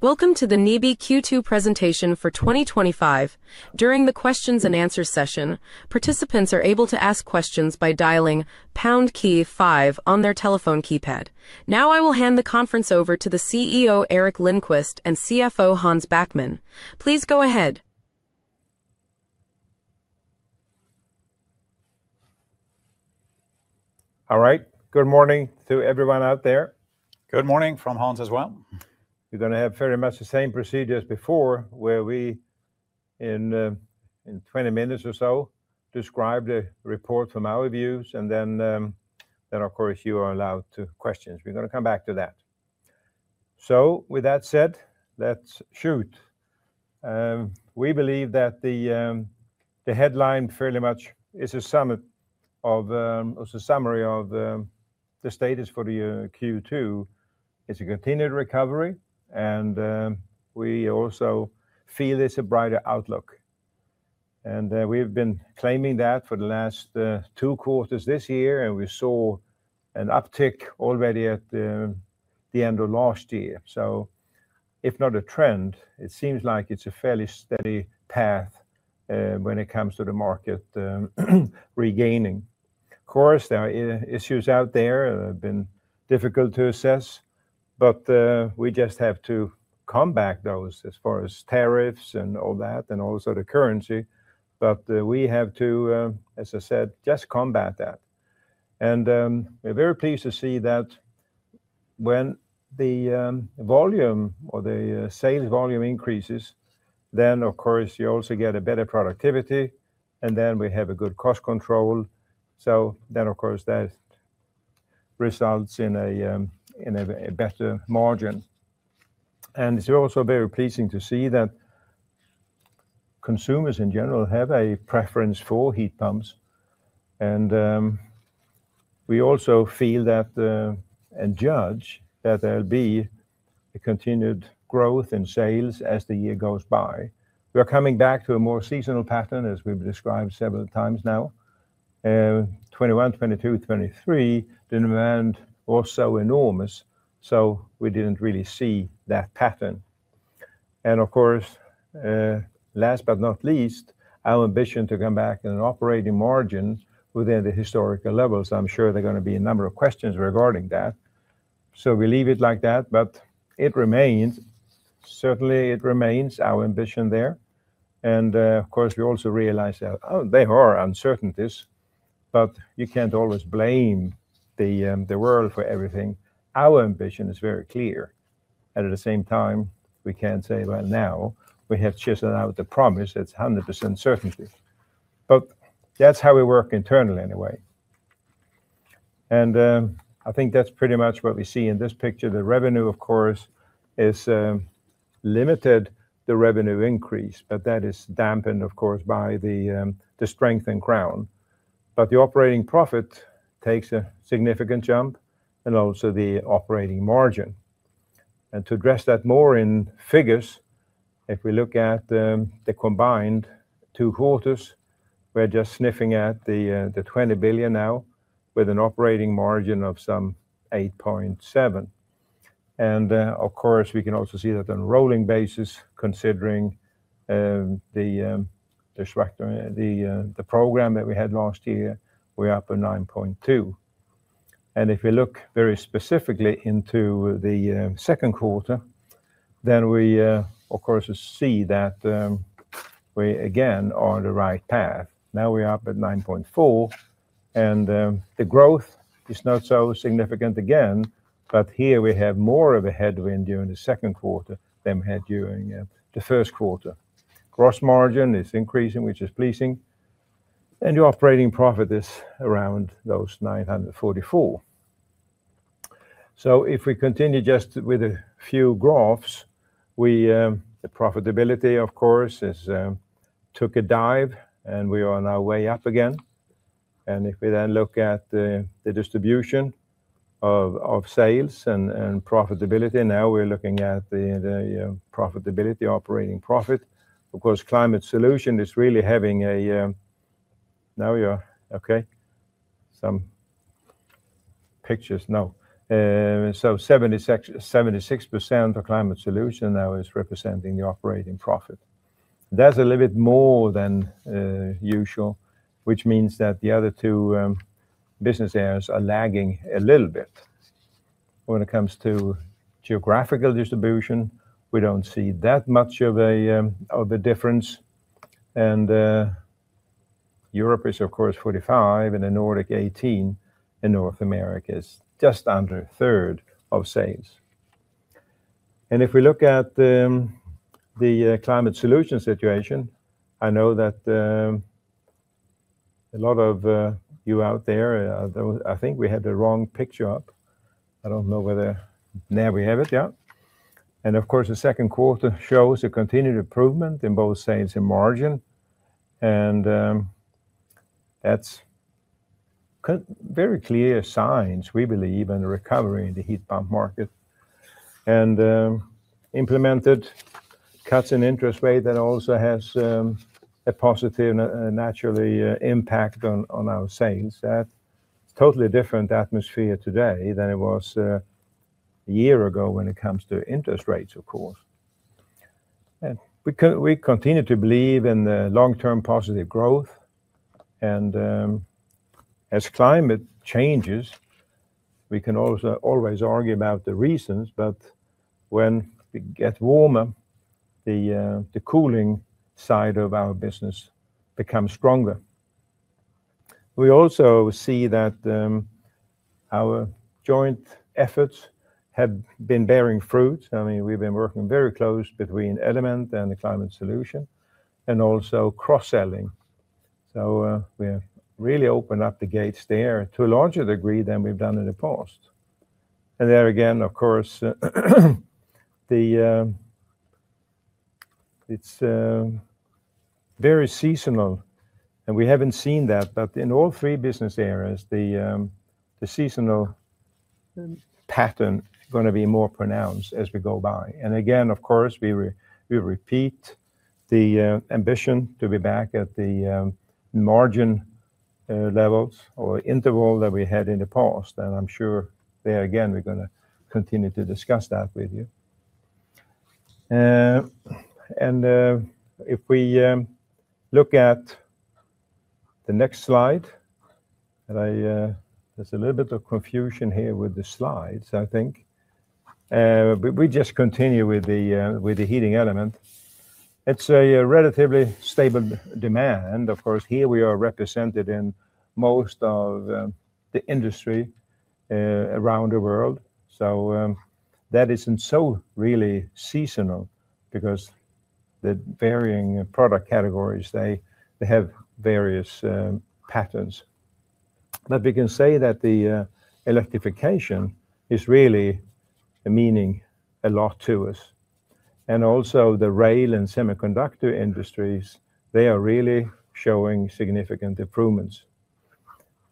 Welcome to the NIBE Q2 presentation for 2025. During the questions and answers session, participants are able to ask questions by dialing KEY5 on their telephone keypad. Now I will hand the conference over to the CEO Gerteric Lindquist and CFO Hans Backman. Please go ahead. All right, good morning to everyone out there. Good morning from Hans as well. You're going to have very much the same procedures as before where we, in 20 minutes or so, describe the report from our views and then of course you are allowed to ask questions. We're going to come back to that. With that said, let's shoot. We believe that the headline fairly much is a summary of the status for Q2. It's a continued recovery and we also feel it's a brighter outlook. We've been claiming that for the last two quarters this year and we saw an uptick already at the end of last year. If not a trend, it seems like it's a fairly steady path when it comes to the market regaining. Of course, there are issues out there that have been difficult to assess, but we just have to combat those as far as tariffs and all that, and also the currency. We have to, as I said, just combat that. We're very pleased to see that when the sales volume increases, then of course you also get better productivity and then we have good cost control. That results in a better margin. It's also very pleasing to see that consumers in general have a preference for heat pumps. We also feel that and judge that there'll be continued growth in sales as the year goes by. We're coming back to a more seasonal pattern as we've described several times now. 2021, 2022, 2023, demand was so enormous, so we didn't really see that pattern. Last but not least, our ambition is to come back in operating margins within the historical level. I'm sure there are going to be a number of questions regarding that. We leave it like that. It remains, certainly it remains our ambition there. We also realize that there are uncertainties, but you can't always blame the world for everything. Our ambition is very clear and at the same time we can't say, now we have chiseled out the promise, that's 100% certainty, but that's how we work internally anyway. I think that's pretty much what we see in this picture. The revenue, of course, is limited. The revenue increases, but that is dampened by the strength in the crown. The operating profit takes a significant jump and also the operating margin. To address that more in figures, if we look at the combined two quarters, we're just sniffing at the 20 billion now with an operating margin of some 8.7%. Of course we can also see that on a rolling basis, considering the disruptor, the program that we had last year, we are up at 9.2. If you look very specifically into the second quarter, we see that we again are on the right path. Now we're up at 9.4 and the growth is not so significant again. Here we have more of a headwind during the second quarter than we had during the first quarter. Gross margin is increasing, which is pleasing. Your operating profit is around 944. If we continue just with a few graphs, the profitability of course took a dive and we are on our way up again. If we then look at the distribution of sales and profitability, now we're looking at the profitability, operating profit, of course Climate Solutions is really having a—now you're okay, some pictures. No, so 76% of Climate Solutions now is representing the operating profit. That's a little bit more than usual, which means that the other two business areas are lagging a little bit. When it comes to geographical distribution, we don't see that much of a difference. Europe is of course 45 and the Nordic 18, and North America is just under a third of sales. If we look at the Climate Solutions situation, I know that a lot of you out there, I think we had the wrong picture up. I don't know whether. There we have it. Yeah. Of course the second quarter shows a continued improvement in both sales and margin. That's very clear signs, we believe, and recovery in the heat pump market and implemented cuts in interest rate that also has a positive, naturally, impact on our sales. That's a totally different atmosphere today than it was a year ago. When it comes to interest rates, we continue to believe in the long term positive growth. As climate changes, we can also always argue about the reasons, but when it gets warmer, the cooling side of our business becomes stronger. We also see that our joint efforts have been bearing fruit. We've been working very close between Element and Climate Solutions and also cross selling. We have really opened up the gates there to a larger degree than we've done in the past. There again, it's very seasonal and we haven't seen that, but in all three business areas the seasonal pattern is going to be more pronounced as we go by. We repeat the ambition to be back at the margin levels or interval that we had in the past. I'm sure there again we're going to continue to discuss that with you. If we look at the next slide, there's a little bit of confusion here with the slides. I think we just continue with the heating element. It's a relatively stable demand. Here we are represented in most of the industry around the world, so that isn't so really seasonal because the varying product categories have various patterns. We can say that the electrification is really meaning a lot to us. Also, the rail and semiconductor industries are really showing significant improvements.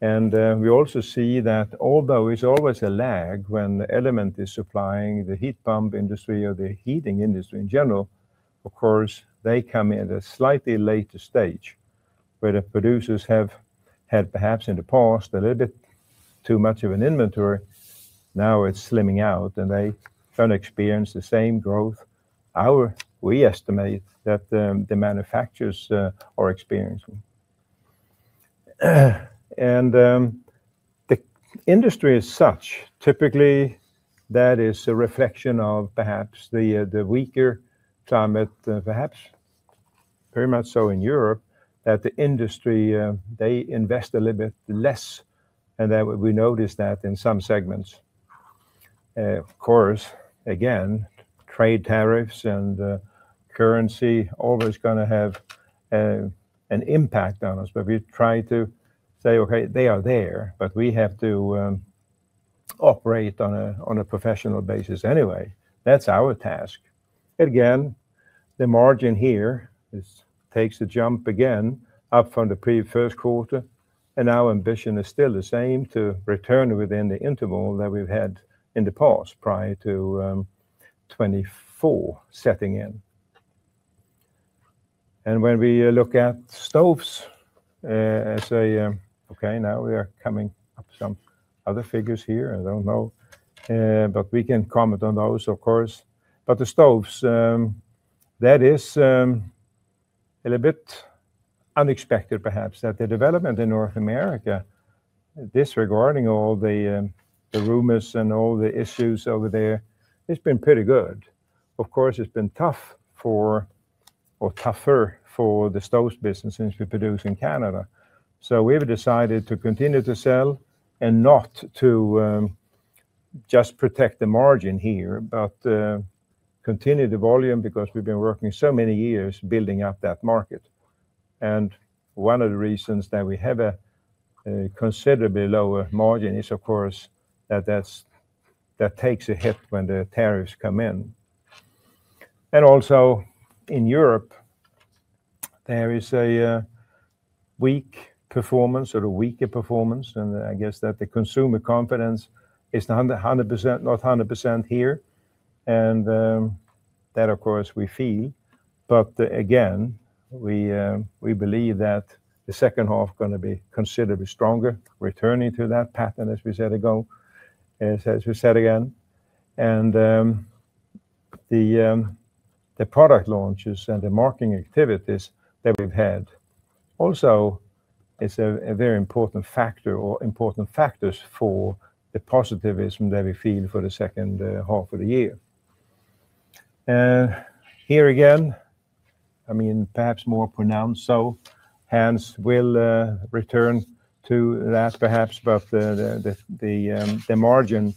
We also see that although it's always a lag when Element is supplying the heat pump industry or the heating industry in general, they come in at a slightly later stage where the producers have had perhaps in the past a little bit too much of an inventory. Now it's slimming out and they don't experience the same growth we estimate that the manufacturers are experiencing, and the industry is such typically that is a reflection of perhaps the weaker climate, perhaps very much so in Europe, that the industry, they invest a little bit less and we notice that in some segments. Again, trade, tariffs, and currency always are going to have an impact on us. We try to say okay, they are there, but we have to operate on a professional basis anyway, that's our task. Again, the margin here takes a jump again up from the pre first quarter. Our ambition is still the same, to return within the interval that we've had in the past prior to 2024 setting in. When we look at Stoves and say okay, now we are coming up with some other figures here. I don't know, but we can comment on those of course. The Stoves, that is a little bit unexpected perhaps, that the development in North America, disregarding all the rumors and all the issues over there, it's been pretty good. Of course, it's been tough or tougher for the Stoves businesses we produce in Canada. We've decided to continue to sell and not to just protect the margin here, but continue the volume because we've been working so many years building up that market. One of the reasons that we have a considerably lower margin is of course a desk that takes a hit when the tariffs come in, and also in Europe there is a weak performance or a weaker performance. I guess that the consumer confidence is not 100% here, and that of course we feel. We believe that the second half is going to be considerably stronger, returning to that pattern, as we said ago, as we said again, and the product launches and the marketing activities that we've had also, it's a very important factor or important factors for the positivism that we feel for the second half of the year here again, I mean, perhaps more pronounced. Hans will return to that perhaps. The margin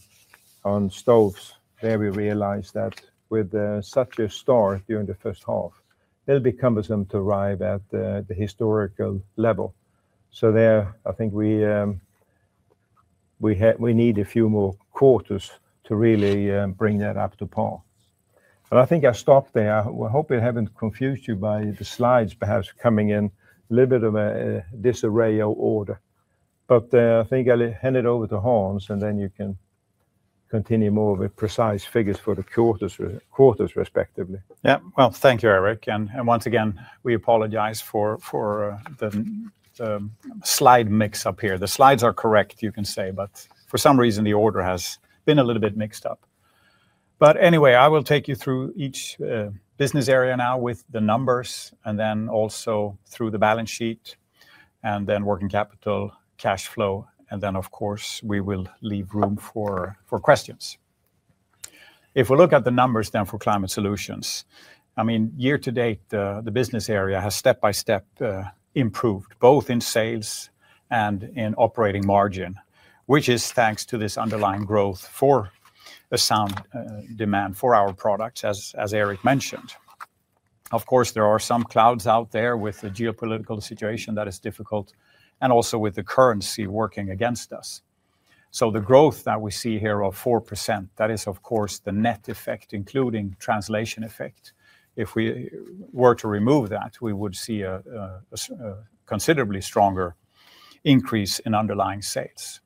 on Stoves there, we realize that with such a start during the first half, it'll be cumbersome to arrive at the historical level. I think we need a few more quarters to really bring that up to par. I think I stop there. I hope it hasn't confused you by the slides, perhaps coming in a little bit of a disarray order, but I think I'll hand it over to Hans and then you can continue more with precise figures for the quarters, quarters respectively. Thank you, Gerteric. Once again, we apologize for the slide mix up here. The slides are correct, you can say, but for some reason the order has been a little bit mixed up. Anyway, I will take you through each business area now with the numbers and then also through the balance sheet and then working capital cash flow. Of course, we will leave room for questions. If we look at the numbers then for Climate Solutions, year to date, the business area has step by step improved both in sales and in operating margin, which is thanks to this underlying growth for a sound demand for our products. As Eric mentioned, of course, there are some clouds out there with the geopolitical situation that is difficult and also with the currency working against us. The growth that we see here of 4% is the net effect, including translation effect. If we were to remove that, we would see a considerably stronger increase in underlying states.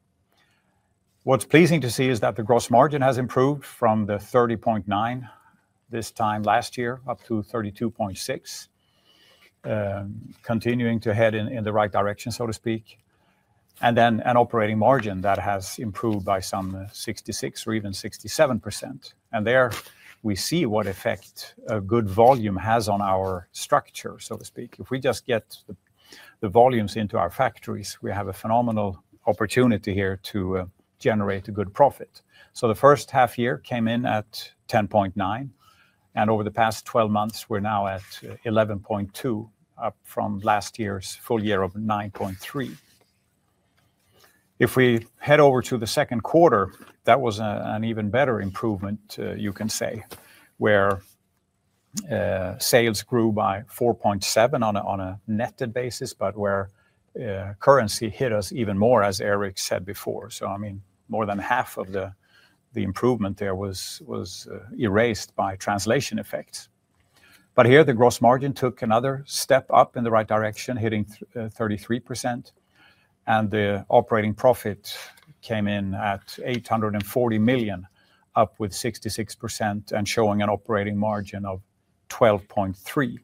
What's pleasing to see is that the gross margin has improved from 30.9% this time last year up to 32.6%, continuing to head in the right direction, so to speak. An operating margin that has improved by some 66% or even 67%. There we see what effect a good volume has on our structure, so to speak. If we just get the volumes into our factories, we have a phenomenal opportunity here to generate a good profit. The first half year came in at 10.9% and over the past 12 months we're now at 11.2%, up from last year's full year of 9.3%. If we head over to the second quarter, that was an even better improvement. You can say where sales grew by 4.7% on a net basis, but where currency hit us even more as Eric said before. More than half of the improvement there was erased by translation effects. Here the gross margin took another step up in the right direction, hitting 33% and the operating profit came in at 840 million, up with 66% and showing an operating margin of 12.3%.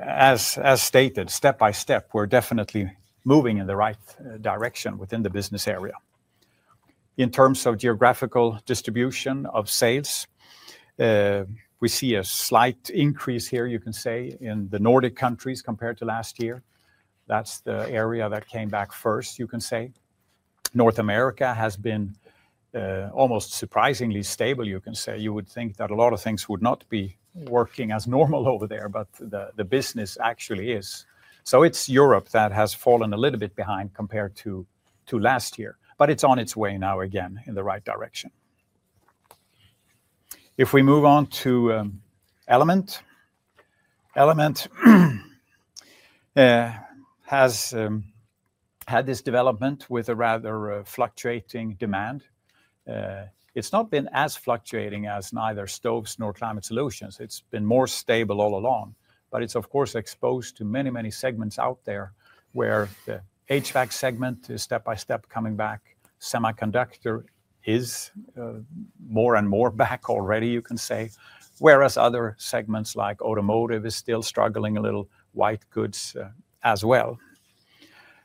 As stated, step by step, we're definitely moving in the right direction within the business area. In terms of geographical distribution of sales, we see a slight increase here, you can say in the Nordic countries compared to last year. That's the area that came back first. North America has been almost surprisingly stable. You can say, you would think that a lot of things would not be working as normal over there, but the business actually is. It's Europe that has fallen a little bit behind compared to last year, but it's on its way now again in the right direction. If we move on to Element, Element has had this development with a rather fluctuating demand. It's not been as fluctuating as neither Stoves nor Climate Solutions. It's been more stable all along. It's of course exposed to many, many segments out there where the HVAC segment is step by step coming back. Semiconductor is more and more back already, you can say, whereas other segments like automotive are still struggling a little. White goods as well.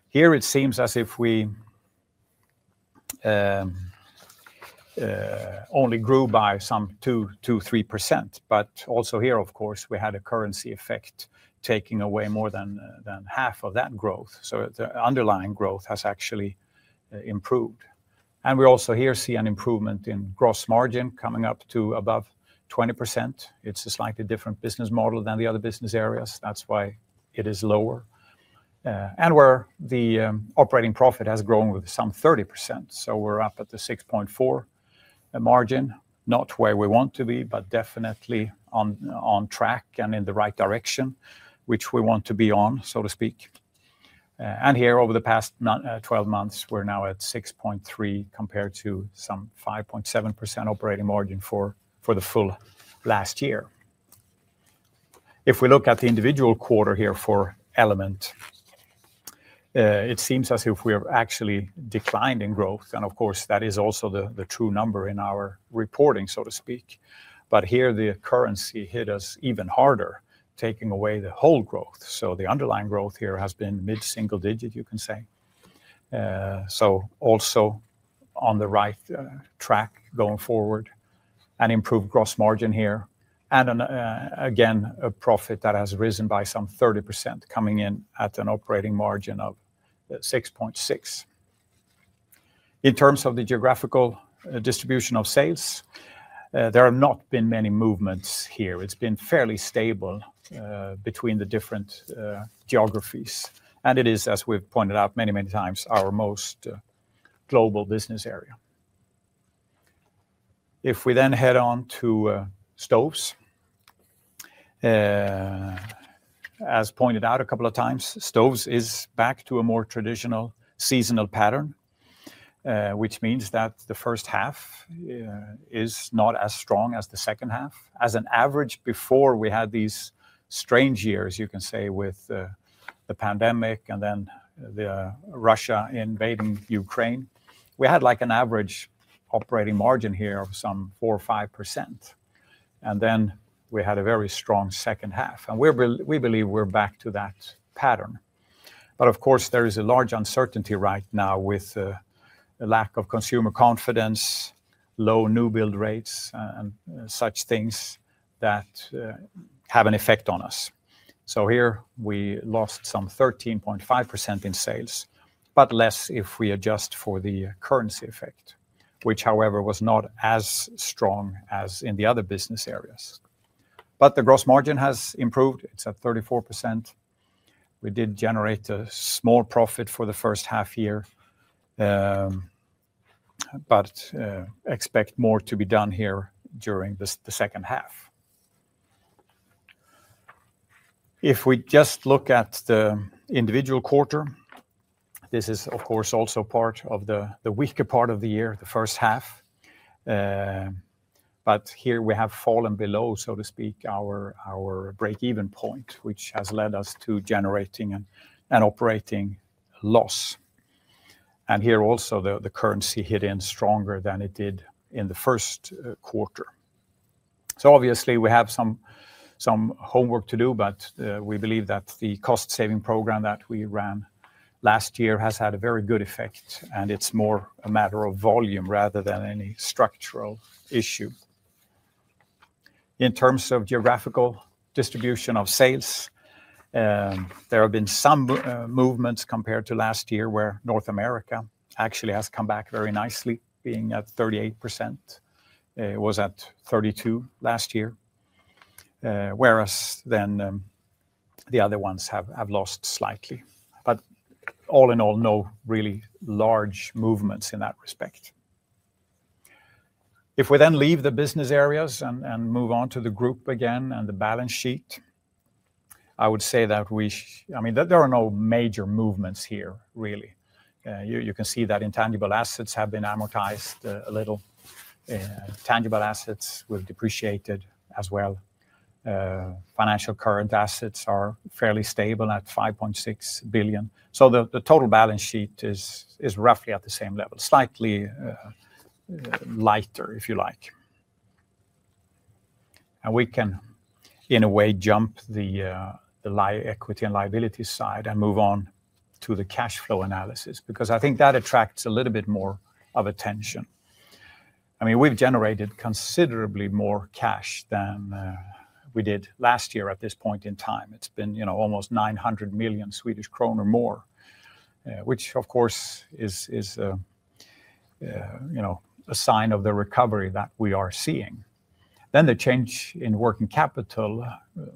Here it seems as if we. Only. Grew by some 2, 2, 3%. Of course, we had a currency effect taking away more than half of that growth. The underlying growth has actually improved. We also here see an improvement in gross margin coming up to above 20%. It's a slightly different business model than the other business areas, which is why it is lower. The operating profit has grown with some 30%. We're up at the 6.4% margin, not where we want to be, but definitely on track and in the right direction which we want to be on, so to speak. Over the past 12 months we're now at 6.3% compared to some 5.7% operating margin for the full last year. If we look at the individual quarter here for Element, it seems as if we have actually declined in growth. That is also the true number in our reporting, so to speak. Here the currency hit us even. Harder, taking away the whole growth. The underlying growth here has been mid single digit, you can say so also on the right track going forward, an improved gross margin here and again a profit that has risen by some 30% coming in at an operating margin of 6.6%. In terms of the geographical distribution of sales, there have not been many movements here. It's been fairly stable between the different geographies and it is, as we've pointed out, many, many times our most global business area. If we then head on to Stoves, as pointed out a couple of times, Stoves is back to a more traditional seasonal pattern, which means that the first half is not as strong as the second half as an average. Before we had these strange years, you can say with the pandemic and then Russia invading Ukraine, we had like an average operating margin here of some 4% or 5%. We had a very strong second half. We believe we're back to that pattern. Of course there is a large uncertainty right now with a lack of consumer confidence, low new build rates and such things that have an effect on us. Here we lost some 13.5% in sales, but less if we adjust for the currency effect, which however was not as strong as in the other business areas. The gross margin has improved, it's at 34%. We did generate a small profit for the first half year. Expect more. To be done here during the second half. If we just look at the individual quarter, this is of course also part of the weaker part of the year, the first half. Here we have fallen below, so to speak, our break even point, which has led us to generating an operating loss. Here also the currency hit in stronger than it did in the first quarter. Obviously we have some homework to do. We believe that the cost saving program that we ran last year has had a very good effect. It's more a matter of volume rather than any structural issue. In terms of geographical distribution of sales, there have been some movements compared to last year where North America actually has come back very nicely being at 38%. It was at 32% last year, whereas the other ones have lost slightly. All in all, no really large movements in that respect. If we then leave the business areas and move on to the group again and the balance sheet, I would say that we, I mean there are no major movements here really. You can see that intangible assets have been amortized. A little tangible assets were depreciated as well. Financial current assets are fairly stable at 5.6 billion. The total balance sheet is roughly at the same level, slightly lighter if you like. We can in a way jump the equity and liability side and move on to the cash flow analysis, because I think that attracts a little bit more of attention. We've generated considerably more cash than we did last year at this point in time. It's been almost 900 million Swedish kronor or more, which of course. Is. You know, a sign of the recovery that we are seeing. The change in working capital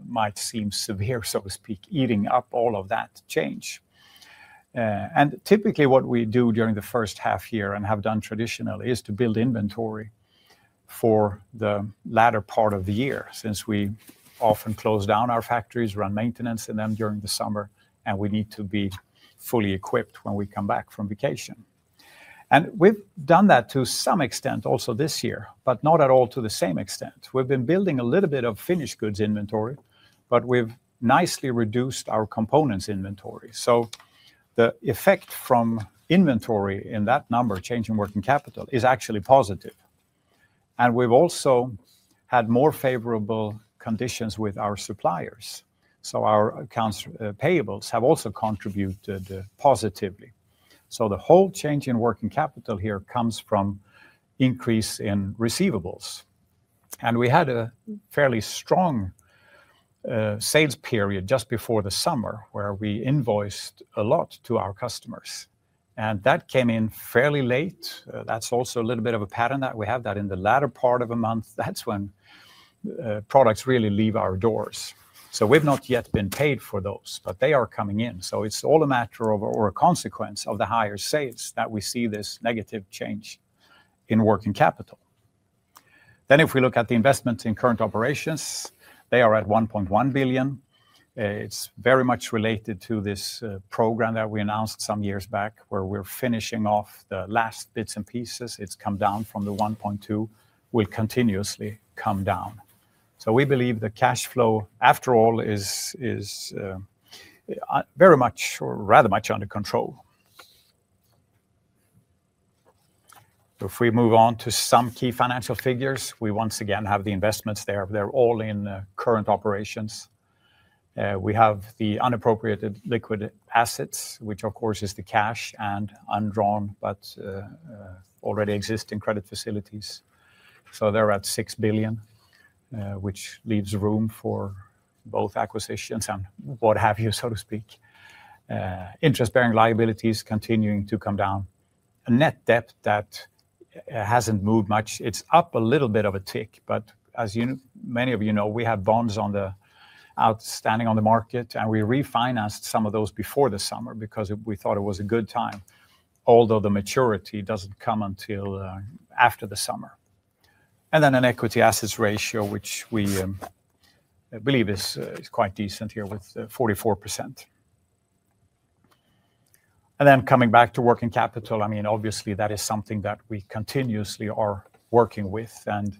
might seem severe, so to speak, eating up all of that change. Typically what we do during the first half year and have done traditionally is to build inventory for the latter part of the year, since we often close down our factories, run maintenance in them during the summer, and we need to be fully equipped when we come back from vacation. We've done that to some extent also this year, but not at all to the same extent. We've been building a little bit of finished goods inventory, but we've nicely reduced our components inventory. The effect from inventory in that number change in working capital is actually positive. We've also had more favorable conditions with our suppliers, so our accounts payables have also contributed positively. The whole change in working capital here comes from increase in receivables. We had a fairly strong sales period just before the summer where we invoiced a lot to our customers and that came in fairly late. That's also a little bit of a pattern that we have, that in the latter part of a month, that's when products really leave our doors. We've not yet been paid for those, but they are coming in. It's all a matter of or a consequence of the higher sales that we see this negative change in working capital. If we look at the investments in current operations, they are at 1.1 billion. It's very much related to this program that we announced some years back where we're finishing off the last bits and pieces. It's come down from the 1.2 billion and will continuously come down. We believe the cash flow, after. All, is. Very much, or rather much under control. If we move on to some key financial figures, we once again have the investments there. They're all in current operations. We have the unappropriated liquid assets, which of course is the cash and undrawn but already existing credit facilities. They're at 6 billion, which leaves room for both acquisitions and what have you, so to speak. Interest bearing liabilities continuing to come down. Net debt hasn't moved much, it's up a little bit of a tick. As many of you know, we had bonds outstanding on the market and we refinanced some of those before the summer because we thought it was a good time, although the maturity doesn't come until after the summer. An equity assets ratio, which I believe is quite decent here with 44%. Coming back to working capital, obviously that is something that we continuously are working with and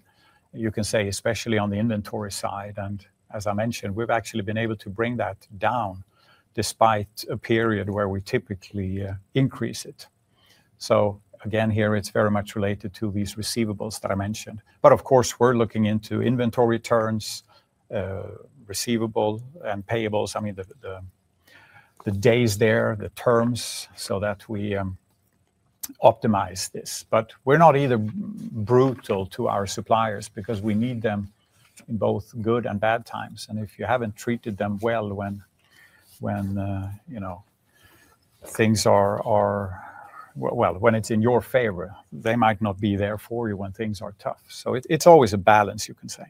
you can say especially on the inventory side. As I mentioned, we've actually been able to bring that down despite a period where we typically increase it. Again, it's very much related to these receivables that I mentioned. Of course, we're looking into inventory turns, receivable and payables, the days there, the terms so that we optimize this. We're not either brutal to our suppliers because we need them in both good and bad times. If you haven't treated them well when things are in your favor, they might not be there for you when things are tough. It's always a balance, you can say.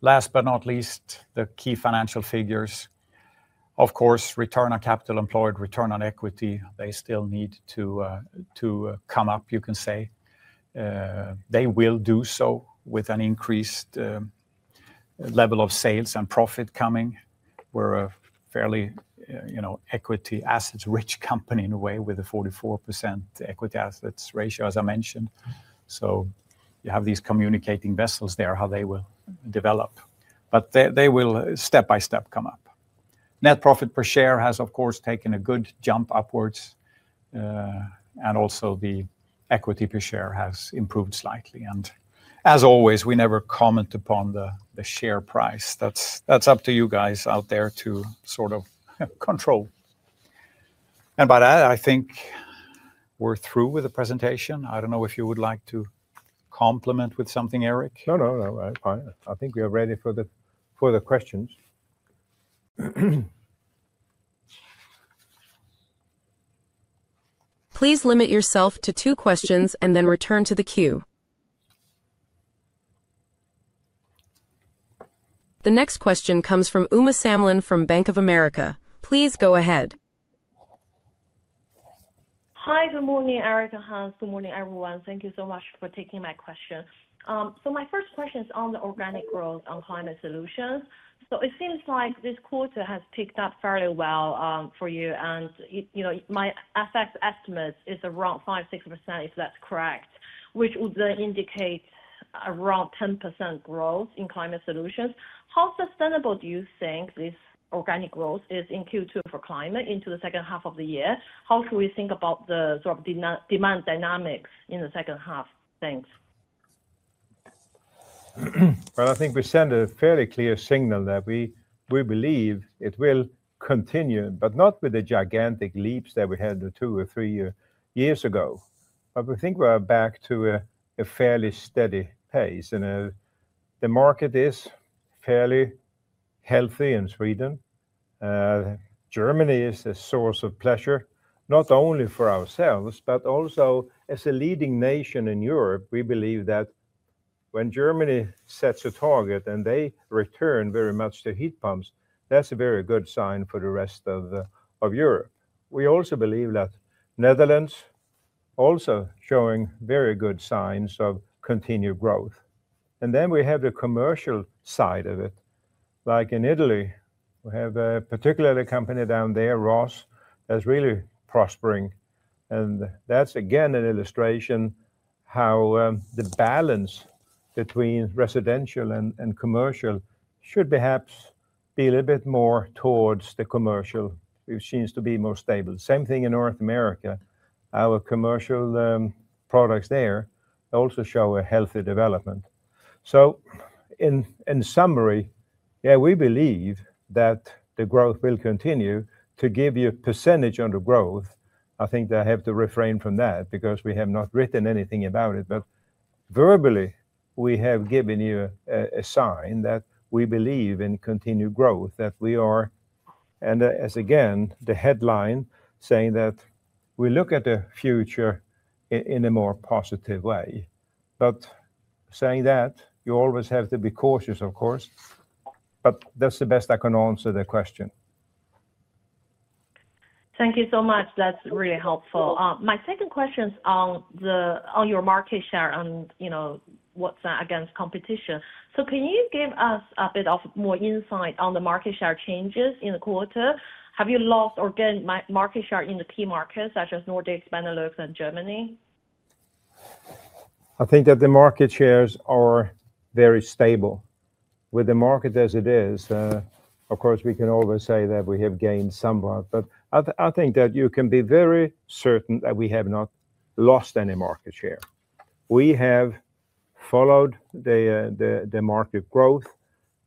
Last but not least, the key financial figures, of course, return on capital employed, return on equity, they still need to come up, you can say they will do so with an increased level of sales and profit coming. We're a fairly, you know, equity assets rich company in a way with a 44% equity assets ratio as I mentioned. You have these communicating vessels there, how they will develop, but they will step by step come up. Net profit per share has of course taken a good jump upwards and also the equity per share has improved slightly and as always we never comment upon the share price. That's up to you guys out there to sort of control and by that I think we're through with the presentation. I don't know if you would like to complement with something, Eric. I think we are ready for the questions. Please limit yourself to two questions and then return to the queue. The next question comes from Uma Samlin from Bank of America. Please go ahead. Hi, good morning, Erica Hans. Good morning everyone. Thank you so much for taking my question. My first question is on the organic growth on Climate Solutions. It seems like this quarter has picked up fairly well for you. My FX estimate is around 5%, 6% if that's correct, which would indicate around 10% growth in Climate Solutions. How sustainable do you think this organic growth is in Q2 for Climate into the second half of the year? How should we think about the sort of demand dynamics in the second half? Thanks. I think we sent a fairly clear signal that we believe it will continue, but not with the gigantic leaps that we had two or three years ago. We think we are back to a fairly steady pace and the market is fairly healthy in Sweden. Germany is a source of pleasure not only for ourselves but also as a leading nation in Europe. We believe that when Germany sets a target and they return very much to heat pumps, that's a very good sign for the rest of Europe. We also believe that Netherlands is also showing very good signs of continued growth. We have the commercial side of it, like in Italy. We have a particular company down there, Ross, that's really prospering. That's again an illustration how the balance between residential and commercial should perhaps be a little bit more towards the commercial machines to be more stable. Same thing in North America. Our commercial products there also show a healthy development. In summary, yeah, we believe that the growth will continue. To give you a percentage on the growth, I think they have to refrain from that because we have not written anything about it. Verbally we have given you a sign that we believe in continued growth, that we are. As again the headline saying that we look at the future in a more positive way, but saying that you always have to be cautious. Of course, that's the best I can answer the question. Thank you so much, that's really helpful. My second question is on your market share and what's against competition. Can you give us a bit more insight on the market share changes in the quarter? Have you lost or gained market share in the key markets such as Nordics, Benelux, and Germany? I think that the market shares are very stable with the market as it is. Of course, we can always say that we have gained somewhat, but I think that you can be very certain that we have not lost any market share. We have followed the market growth,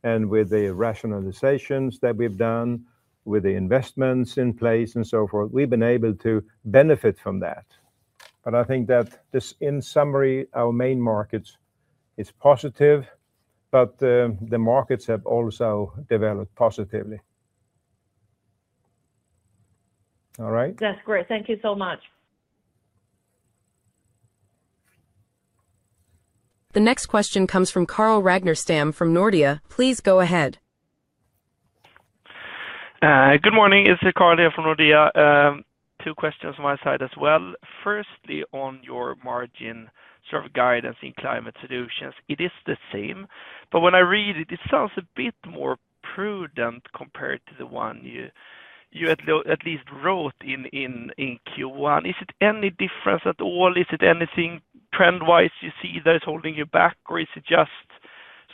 and with the rationalizations that we've done with the investments in place and so forth, we've been able to benefit from that. I think that this, in summary, our main markets is positive, and the markets have also developed positively. All right, that's great. Thank you so much. The next question comes from Carl Ragnarstam from Nordea. Please go ahead. Good morning, it's Carl here from Nordea. Two questions on my side as well. Firstly, on your margin sort of guidance in Climate Solutions, it is the same, but when I read it, it sounds a bit more prudent compared to the one you had at least in Q1. Is it any difference at all? Is it anything trend wise you see that is holding you back, or is it just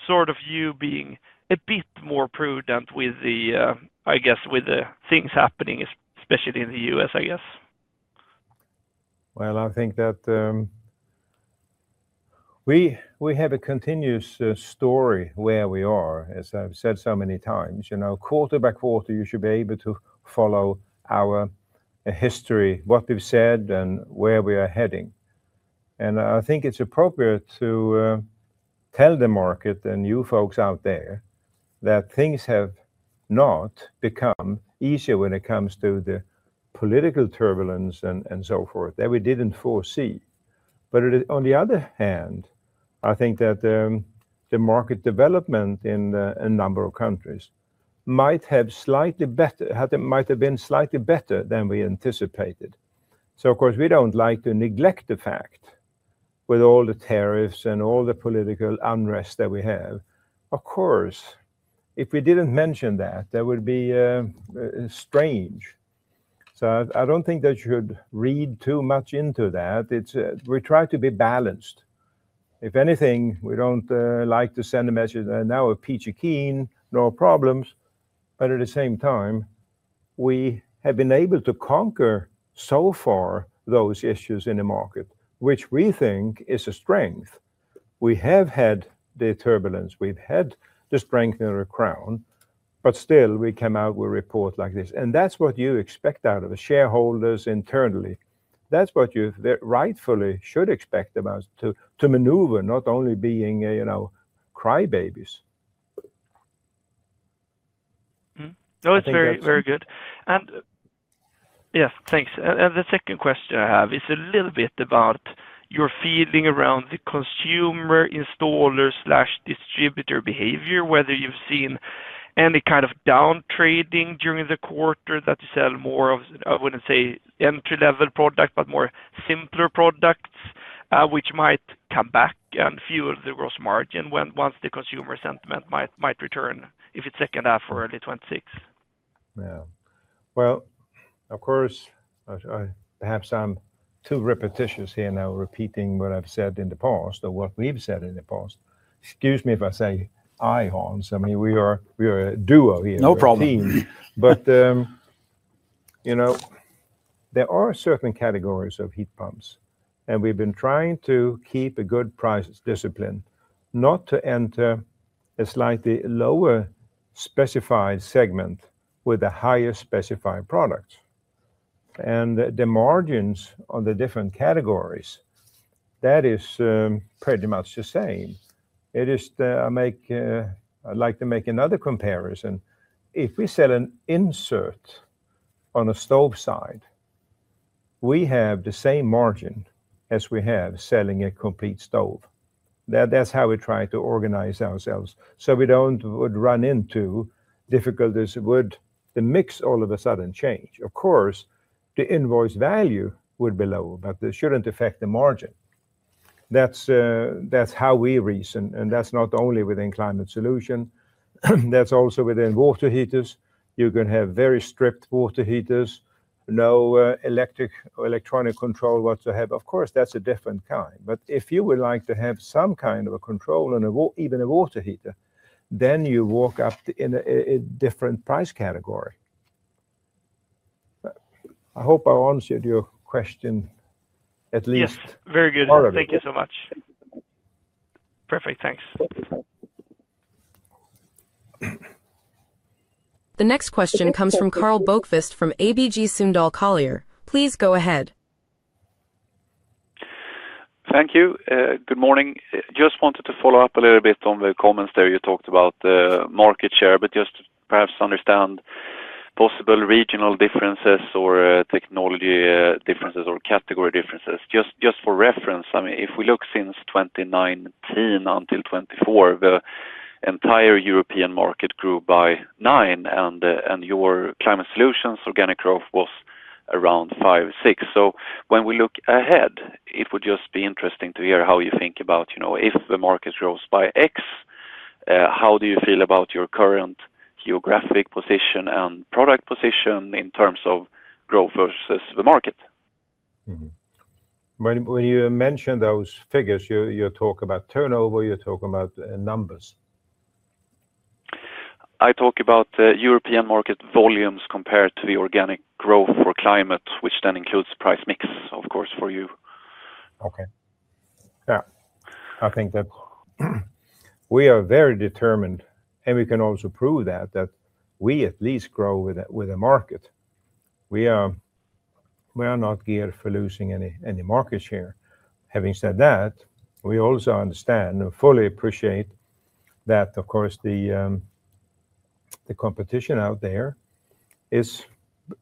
sort of you being a bit more prudent with the, I guess with the things happening, especially in the U.S. I guess. I think that we have a continuous story where we are, as I've said so many times, you know, able to follow our history, what we've said and where we are heading. I think it's appropriate to tell the market and you folks out there that things have not become easier when it comes to the political turbulence and so forth that we didn't foresee. On the other hand, I think that the market development in a number of countries might have been slightly better than we anticipated. Of course, we don't like to neglect the fact with all the tariffs and all the political unrest that we have. If we didn't mention that, that would be strange. I don't think that you should read too much into that. We try to be balanced. If anything, we don't like to send a message now of peachy keen, no problems. At the same time, we have been able to conquer so far those issues in the market which we think is a strength. We have had the turbulence, we've had the strength in the crown, but still we came out with a report like this and that's what you expect out of the shareholders internally. That's what you rightfully should expect of us to maneuver, not only being, you know, crybabies. No, it's very, very good, and yeah, thanks. The second question I have is a little bit about your feeling around the consumer installer slash distributor behavior. Whether you've seen any kind of down trading during the quarter, that you sell more of, I wouldn't say entry level product, but more simpler products, which might come back and fuel the gross margin once the consumer sentiment might return, if it's second half or early 2026. Of course, perhaps I'm too repetitious here now repeating what I've said in the past or what we've said in the past. Excuse me if I say I haunt. I mean we are, we are a duo here. No problem. There are certain categories of heat pumps. We've been trying to keep a good price discipline not to enter a slightly lower specified segment with the higher specified products, and the margins on the different categories, that is pretty much the same. I'd like to make another comparison. If we set an insert on a stove side, we have the same margin as we have selling a complete stove. That's how we try to organize ourselves so we don't run into difficulties. Would the mix all of a sudden change, of course the invoice value would be low, but this shouldn't affect the margin. That's how we reason. That's not only within Climate Solutions, that's also within water heaters. You can have very strict water heaters, no electric or electronic control whatsoever. Of course that's a different kind. If you would like to have some kind of a control and even a water heater, then you walk up in a different price category. I hope I answered your question at least. Very good. Thank you so much. Perfect, thanks. The next question comes from Carl Bokvist from ABG Sundal Collier. Please go ahead. Thank you. Good morning. Just wanted to follow up a little bit on the comments there. You talked about the market share, but just perhaps understand possible regional differences or technology differences or category differences just for reference. I mean if we look since 2019 until 2024 the entire European market grew by 9% and your Climate Solutions organic growth was around 5%, 6%. When we look ahead it would just be interesting to hear how you think about, you know, if the market grows by X, how do you feel about your current geographic position and product position in terms of growth versus the market? When you mention those figures, you talk about turnover, you're talking about numbers. I talk about European market volumes compared to the organic growth for Climate Solutions, which then includes price mix, of course, for you. Okay. Yeah. I think that we are very determined and we can also prove that we at least grow with a market. We are not geared for losing any market share. Having said that, we also understand and fully appreciate that of course the competition out there is,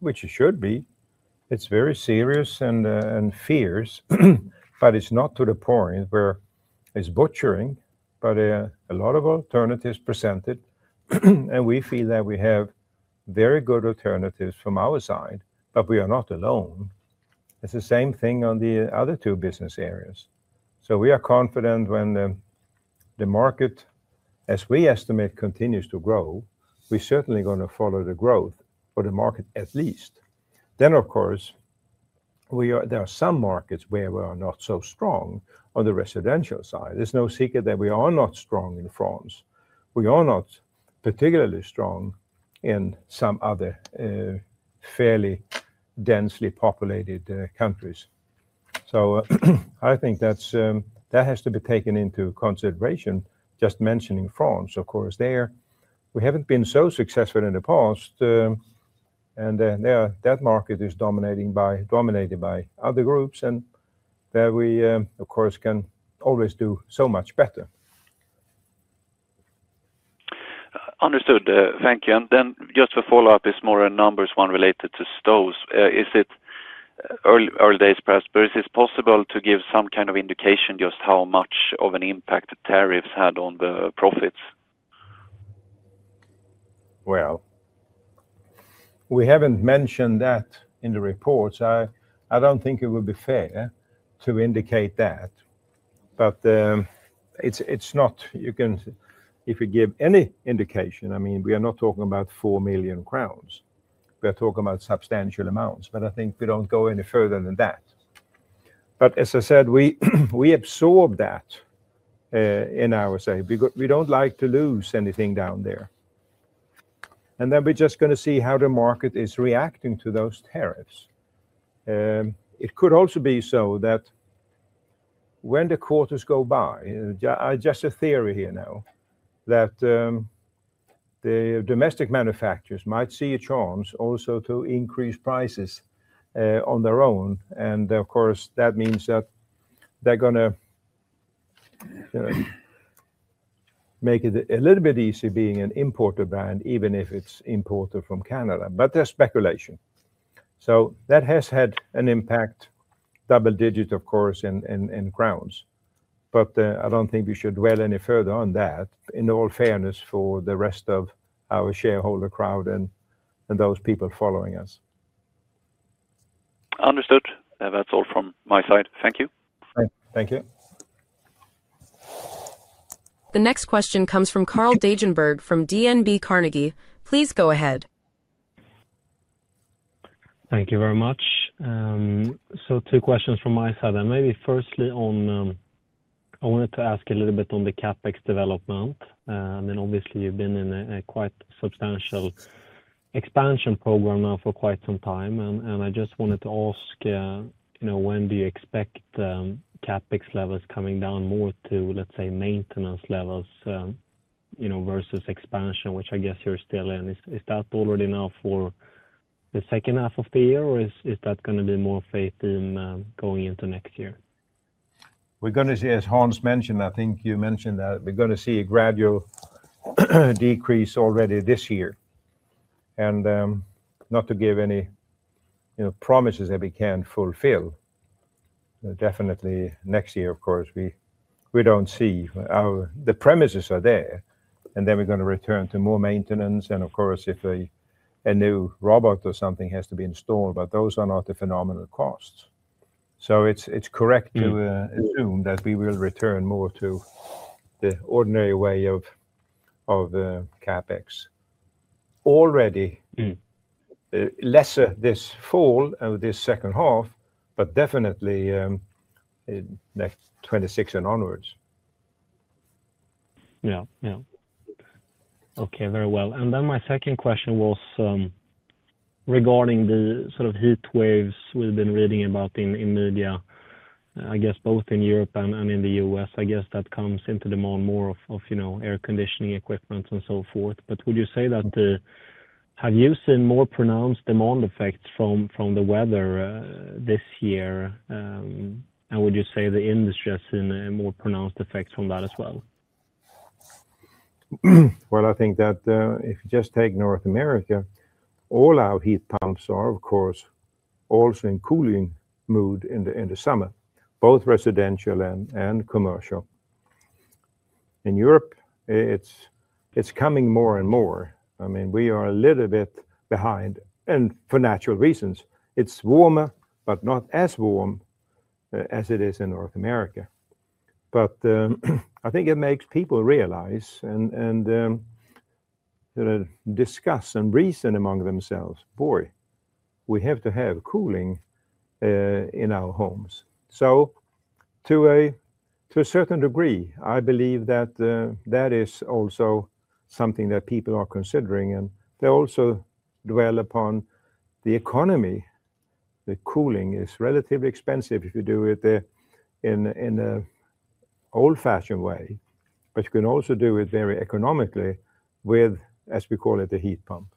which it should be. It's very serious and fierce, but it's not to the point where it's butchering, but a lot of alternatives presented and we feel that we have very good alternatives from our side, but we are not alone. It's the same thing on the other two business areas. We are confident when the market as we estimate continues to grow, we are certainly going to follow the growth for the market at least. Of course, there are some markets where we are not so strong on the residential side. There's no secret that we are not strong in France, we are not particularly strong in some other fairly densely populated countries. I think that has to be taken into consideration. Just mentioning France, of course there we haven't been so successful in the past and now that market is dominated by other groups and there we of course can always do so much better. Understood, thank you. The follow up is more a numbers one related to Stoves. Is it early days? Perhaps. Is it possible to give some kind of indication just how much of an impact tariffs had on the profits? We haven't mentioned that in the reports. I don't think it would be fair to indicate that, but it's not. If you give any indication, I mean we are not talking about 4 million crowns, we are talking about substantial amounts, but I think we don't go any further than that. As I said, we absorb that in our say because we don't like to lose anything down there, and we are just going to see how the market is reacting to those tariffs. It could also be that when the quarters go by, just a theory here now, that the domestic manufacturers might see a chance also to increase prices on their own. Of course, that means that they are going to make it a little bit easier being an importer brand even if it's imported from Canada. That is speculation. That has had an impact, double digit of course in SEK. I don't think we should dwell any further on that in all fairness for the rest of our shareholder crowd and those people following us. Understood, that's all from my side. Thank you. Thank you. The next question comes from Carl Deijenberg from Carnegie Investment Bank AB. Please go ahead. Thank you very much. Two questions from my side. Firstly, I wanted to ask a little bit on the CapEx development. Obviously, you've been in a quite substantial expansion program now for quite some time, and I just wanted to ask when do you expect CapEx levels coming down more to, let's say, maintenance levels versus expansion, which I guess you're still in. Is that already enough for the second half of the year, or is that going to be more going into next year? We're going to see, as Hans mentioned, I think you mentioned that we're going to see a gradual decrease already this year, and not to give any promises that we can fulfill definitely next year. Of course, we don't see the premises are there, and then we're going to return to more maintenance, and of course if a new robot or something has to be installed. Those are not the phenomenal costs. It's correct to assume that we will return more to the ordinary way of the CapEx already this fall of this second half, but definitely next 2026 and onwards. Okay, very well. My second question was regarding the sort of heat waves we've been reading about in media. I guess both in Europe and in the U.S., I guess that comes into demand more of, you know, air conditioning equipment and so forth. Would you say that have you seen more pronounced demand effects from the weather this year, and would you say the industry has seen a more pronounced effect from that as well? I think that if you just take North America, all our heat pumps are of course also in cooling mode in the end of summer, both residential and commercial. In Europe, it's coming more and more. I mean we are a little bit behind and for natural reasons it's warmer but not as warm as it is in North America. I think it makes people realize and discuss and reason among themselves, boy, we have to have cooling in our homes. To a certain degree I believe that that is also something that people are considering and they also dwell upon the economy. The cooling is relatively expensive if you do it in an old fashioned way, but you can also do it very economically with, as we call it, the heat pump.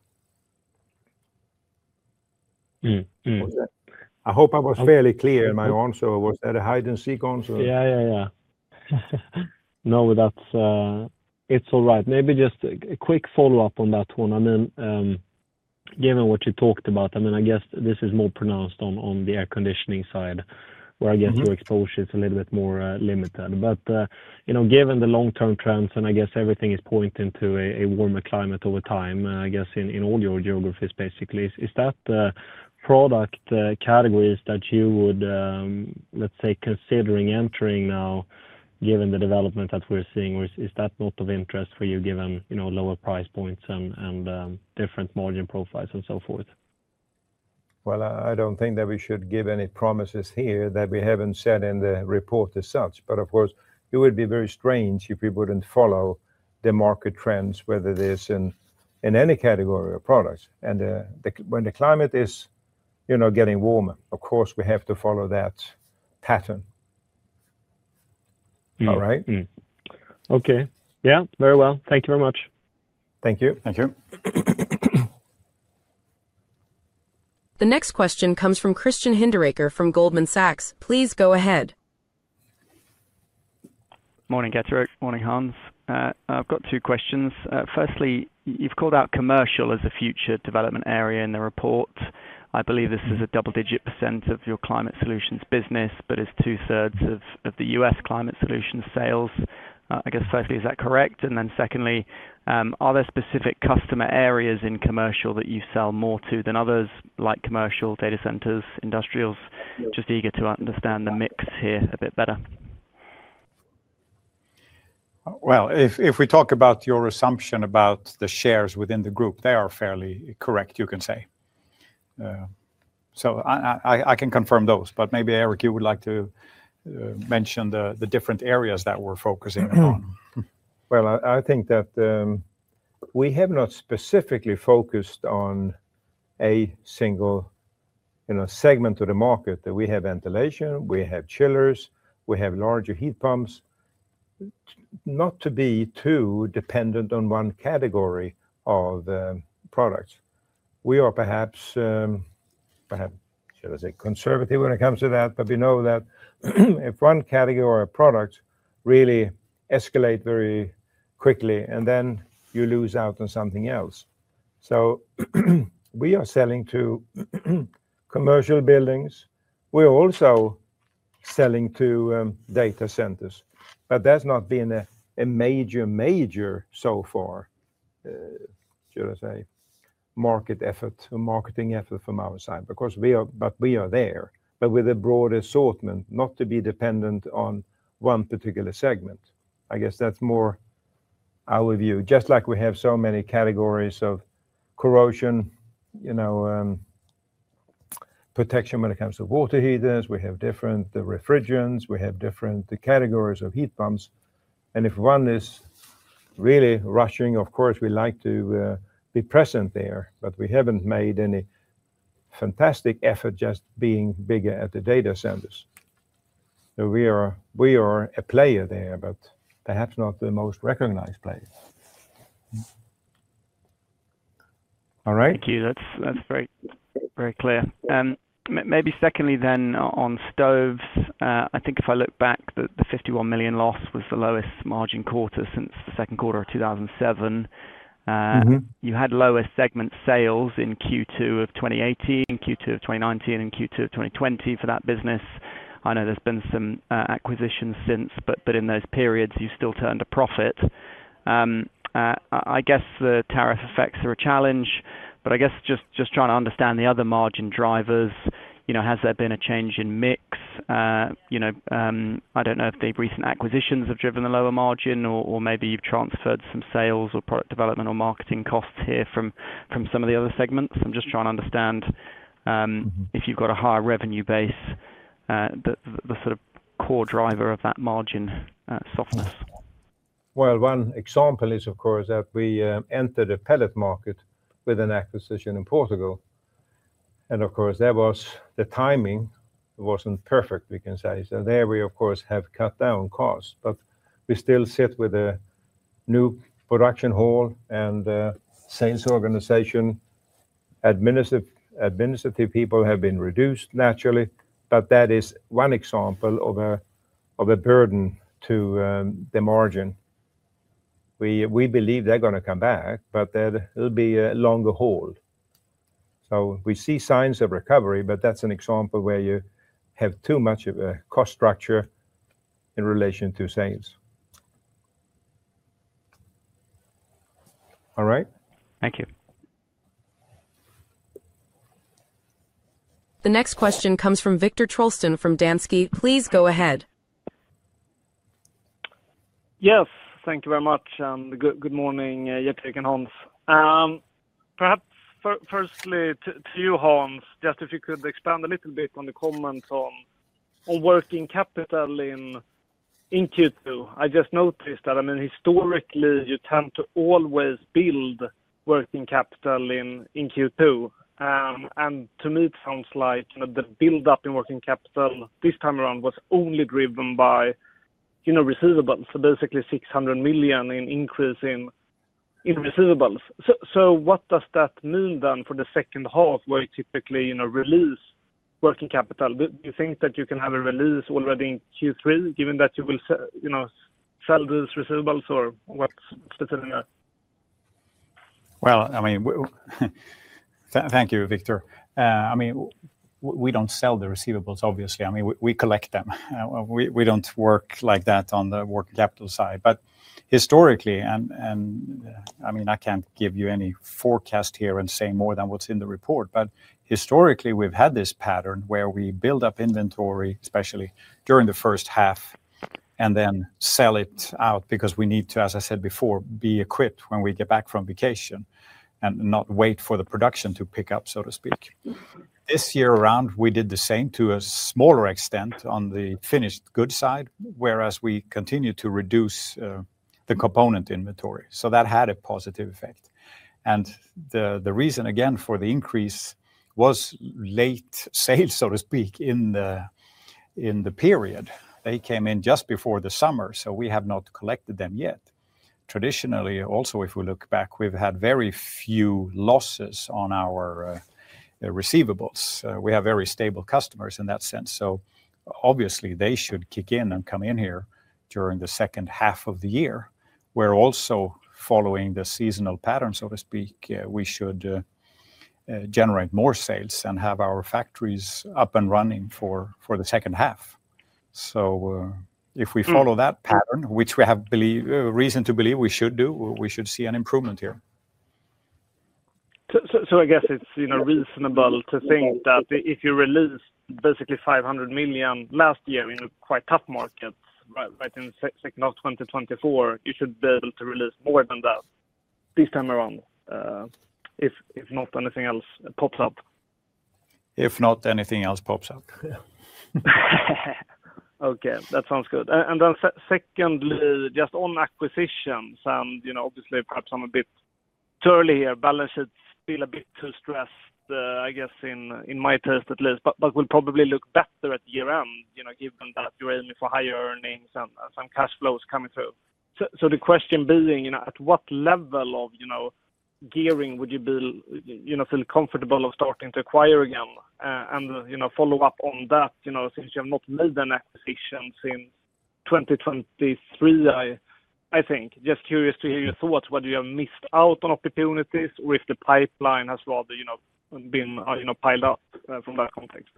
I hope I was fairly clear in my answer. Was it a hide and seek also. Yeah, no, that's maybe just a quick follow up on that one. Given what you talked about, I mean, I guess this is more pronounced on the air conditioning side where I guess your exposure is a little bit more limited. Given the long term trends and I guess everything is pointing to a warmer climate over time, I guess in all your geographies basically. Is that product categories that you would, let's say, consider entering now given the development that we're seeing, or is that not of interest for you given, you know, lower price points and different margin profiles and so forth? I don't think that we should give any promises here that we haven't said in the report as such. Of course, it would be very strange if we wouldn't follow the market trends, whether it is in any category of products, and when the climate is, you know, getting warmer. Of course, we have to follow that pattern. All right. Okay. Yes, very well. Thank you very much. Thank you. Thank you. The next question comes from Christian Hinderaker from Goldman Sachs. Please go ahead. Morning, Gerteric. Morning, Hans. I've got two questions. Firstly, you've called out commercial as a future development area in the report. I believe this is a double-digit % of your Climate Solutions business, but it's 2/3 of the U.S. Climate Solutions sales. Is that correct? Are there specific customer areas in commercial that you sell more to than others, like commercial data centers or industrials? Just eager to understand the mix here a bit better. If we talk about your assumption about the shares within the group, they are fairly correct. You can say so, I can confirm those. Maybe Gerteric, you would like to mention the different areas that we're focusing on. I think that we have not specifically focused on a single segment of the market. We have ventilation, we have chillers, we have larger heat pumps, not to be too dependent on one category of products. We are perhaps, should I say, conservative when it comes to that. We know that if one category of products really escalates very quickly, then you lose out on something else. We are selling to commercial buildings, we are also selling to data centers. There has not been a major, major, should I say, market effort, marketing effort from our side. We are there with a broad assortment, not to be dependent on one particular segment. I guess that's more our view. Just like we have so many categories of corrosion protection when it comes to water heaters. We have different refrigerants, we have different categories of heat pumps. If one is really rushing, of course we like to be present there. We haven't made any fantastic effort just being bigger at the data centers. We are a player there, but perhaps not the most recognized player. All right, thank you. That's very, very clear. Maybe secondly then on Stoves, I think if I look back, the $51 million loss was the lowest margin quarter since the quarter of 2007. You had lower segment sales in Q2 of 2018, Q2 of 2019, and Q2 of 2020 for that business. I know there's been some acquisitions since, but in those periods you still turned a profit. I guess the tariff effects are a challenge. I am just trying to understand the other margin drivers. Has there been a change in mix? I don't know if the recent acquisitions have driven the lower margin or maybe you've transferred some sales or marketing costs here from some of the other segments. I'm just trying to understand if you've got a high revenue base, the sort of core driver of that margin softness. One example is of course that we entered a pellet market with an acquisition in Portugal, and of course that was. The timing wasn't perfect, we can say so there. We of course have cut down costs, but we still sit with a new production hall and sales organization. Administrative people have been reduced naturally, but that is one example of a burden to the margin. We believe they're going to come back, but that will be a longer hold. We see signs of recovery, but that's an example where you have too much of a cost structure in relation to sales. All right, thank you. The next question comes from Viktor Trollsten from Danske Bank. Please go ahead. Yes, thank you very much. Good morning Gerteric and Hans, perhaps firstly to you Hans, just if you could expand a little bit on the comments on working capital in Q2. I just noticed that, I mean historically you tend to always build working capital in Q2 and to me it sounds like the build up in working capital this time around was only driven by receivables. Basically, 600 million in increase in receivables. What does that mean then for the second half where you typically release working capital? Do you think that you can have a release already in Q3 given that you will, you know, sell those receivables or what’s. Thank you, Viktor. We don't sell the receivables, obviously. We collect them. We don't work like that on the working capital side, but historically, I can't give you any forecast here and say more than what's in. The report, historically we've had this. Pattern where we build up inventory, especially during the first half, and then sell it out because we need to, as I said before, be equipped when we get back from vacation and not wait for the production to pick up, so to speak. This year around, we did the same to a smaller extent on the finished goods side, whereas we continue to reduce the component inventory. That had a positive effect. The reason again for the increase was late sales, so to speak, in the period; they came in just before the summer. We have not collected them yet. Traditionally, also if we look back, we've had very few losses on our receivables. We have very stable customers in that sense. Obviously, they should kick in and come in here during the second half of the year. We're also following the seasonal pattern, so to speak. We should generate more sales and have our factories up and running for the second half. If we follow that pattern, which we have reason to believe we should do, we should see an improvement here. I guess it's reasonable to think that if you release basically 500 million last year in the quite tough market, right, in the second quarter of 2024, you should be able to release more than that this time around if not anything else pops up. If not, anything else pops up. Okay, that sounds good. Second, just on acquisitions, obviously perhaps I'm a bit too early here. Balance, it feels a bit too stressed, I guess, in my test at least, but will probably look better at year end, given that for higher year cash flows coming through. The question building, at what level of gearing would you feel comfortable starting to acquire again? A follow-up on that, since you have not made an acquisition since 2023, I'm just curious to hear your thoughts, whether you have missed out on opportunities or if the pipeline has rather been piled up from that context.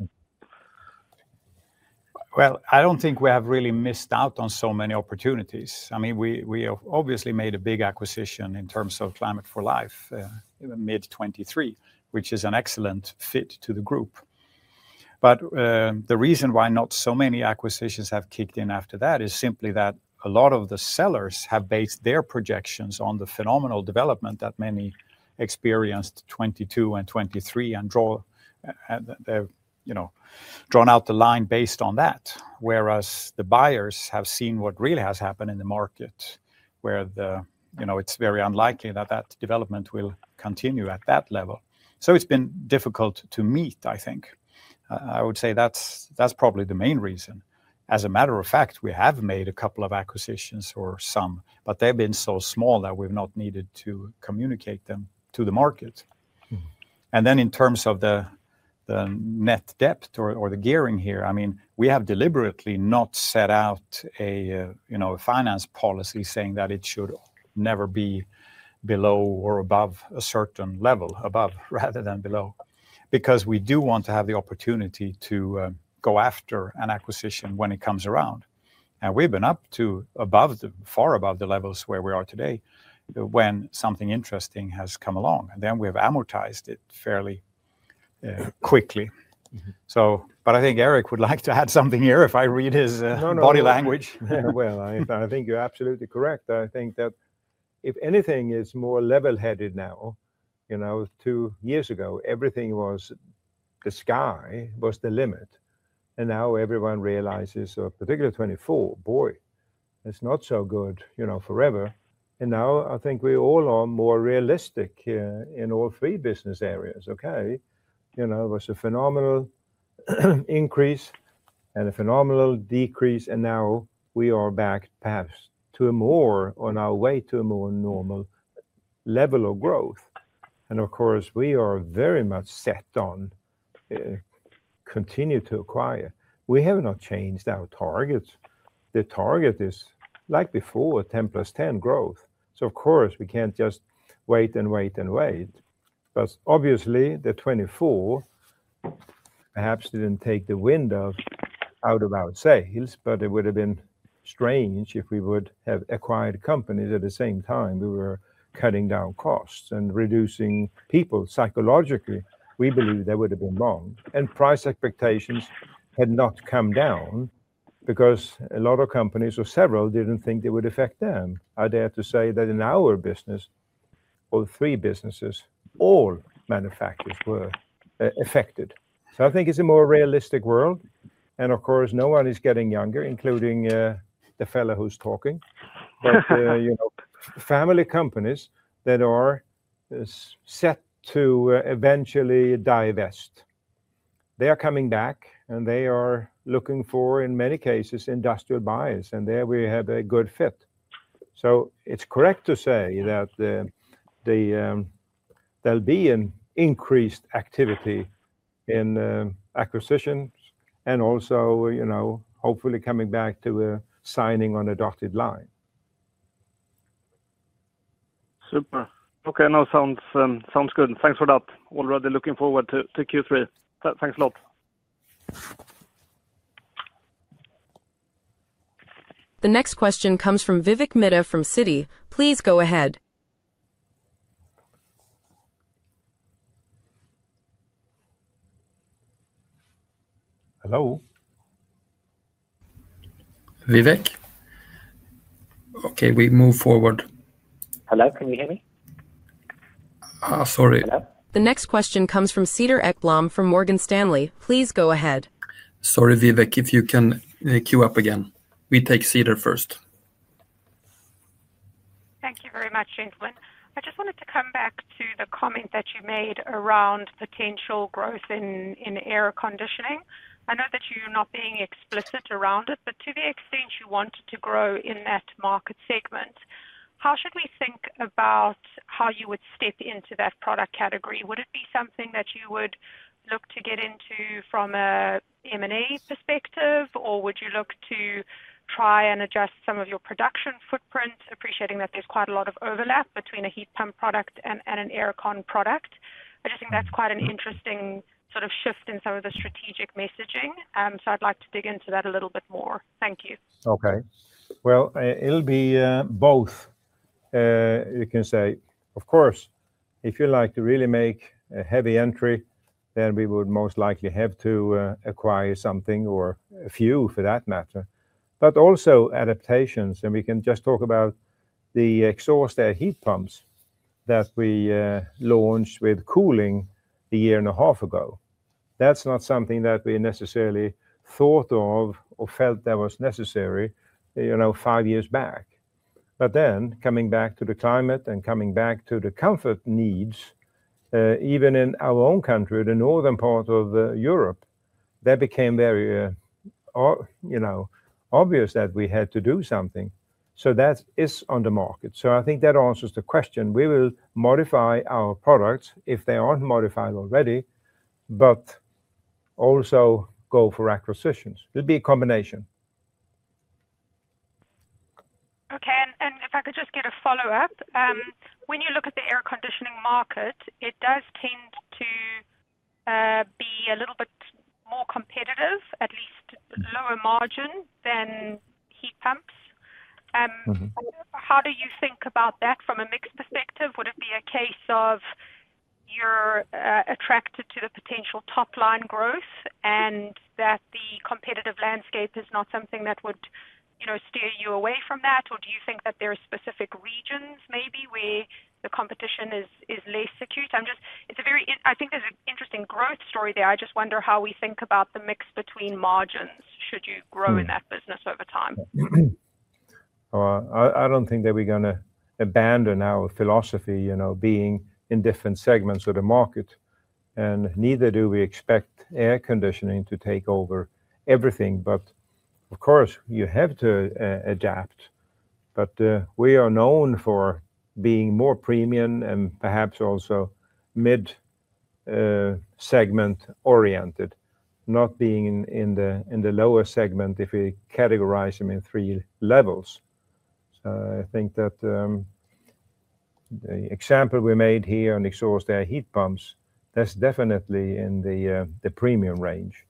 I don't think we have really missed out on so many opportunities. I mean, we have obviously made a big acquisition in terms of Climate for Life mid 2023, which is an excellent fit to the group. The reason why not so many acquisitions have kicked in after that is simply that a lot of the sellers have based their projections on the phenomenal development that many experienced in 2022 and 2023. They've drawn out the line based on that, whereas the buyers have seen what really has happened in the market where it's very unlikely that that development will continue at that level. It's been difficult to meet. I think I would say that's probably the main reason. As a matter of fact, we have made a couple of acquisitions or some, but they've been so small that we've not needed to communicate them to the market. In terms of the net debt or the gearing here, I mean, we have deliberately not set out a finance policy saying that it should never be below or above a certain level. Above rather than below, because we do want to have the opportunity to go after an acquisition when it comes around. We've been up to above, far above the levels where we are today when something interesting has come along and then we have amortized it fairly quickly. So. I think Gerteric would like to add something here, if I read his body language. I think you're absolutely correct. I think that if anything is more level-headed now, you know, two years ago everything was the sky was the limit and now everyone realizes, particularly 2024, boy, it's not so good, you know, forever. I think we all are more realistic in all three business areas. It was a phenomenal increase and a phenomenal decrease and now we are back to a more normal level of growth. Of course, we are very much set on continuing to acquire. We have not changed our targets. The target is like before, 10% plus 10% growth. Of course, we can't just wait and wait and wait. Obviously, 2024 perhaps didn't take the wind out of our sales, but it would have been strange if we would have acquired companies at the same time we were cutting down costs and reducing people. Psychologically, we believe that would have been wrong and price expectations had not come down because a lot of companies or several didn't think it would affect them. I dare to say that in our business or three businesses, all manufacturers were affected. I think it's a more realistic world. Of course, no one is getting younger, including the fellow who's talking. Family companies that are set to eventually divest are coming back and they are looking for, in many cases, industrial buyers. There we have a good fit. It's correct to say that there will be increased activity in acquisitions and also, hopefully, coming back to signing on a dotted line. Super. Okay, now sounds good. Thanks for that. Already looking forward to Q3. Thanks a lot. The next question comes from Vivek Midha from Citi. Please go ahead. Hello, Vivek. Okay, we move forward. Hello, can you hear me? Sorry. The next question comes from Cedar Ekblom from Morgan Stanley. Please go ahead. Sorry, Vivek, if you can queue up again, we take Cedar first. Thank you very much, gentlemen. I just wanted to come back to the comment that you made around potential growth in air conditioning. I know that you're not being explicit around it, but to the extent you wanted to grow in that market segment, how should we think about how you would step into that product category? Would it be something that you would look to get into from an M&A perspective, or would you look to try and adjust some of your production footprint, appreciating that there's quite a lot of overlap between a heat pump product and an aircon production? I think that's quite an interesting sort of shift in some of the strategic messaging. I'd like to dig into that a little bit more. Thank you. Okay. It'll be both. You can say, of course, if you like to really make a heavy entry, then we would most likely have to acquire something, or a few for that matter. Also adaptations. We can just talk about the exhaust air heat pumps that we launched with cooling a year and a half ago. That's not something that we necessarily thought of or felt that was necessary, you know, five years back. Coming back to the climate and coming back to the comfort needs, even in our own country, the northern part of Europe, that became very obvious that we had to do something so that is on the market. I think that answers the question. We will modify our products if they aren't modified already, but also go for acquisitions. It'd be a combination. Okay. If I could just get a follow up. When you look at the air conditioning market, it does tend to be a little bit more competitive, at least lower margin than heat pumps. How do you think about that from a mixed perspective? Would it be a case of you're attracted to the potential top line growth and that the competitive landscape is not something that would steer you away from that, or do you think that there are specific regions maybe where the competition is less acute? I think there's an interesting growth story there. I just wonder how we think about the mix between margins. Should you grow in that business over time? I don't think that we're going to abandon our philosophy, you know, being in different segments of the market. Neither do we expect air conditioning to take over everything. Of course, you have to adapt. We are known for being more premium and perhaps also mid-segment oriented, not being in the lower segment. If we categorize them in three levels, I think that the example we made here on exhaust air heat pumps, that's definitely in the premium range.